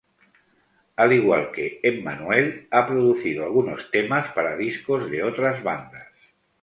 Al igual que Emmanuel, ha producido algunos temas para discos de otras bandas.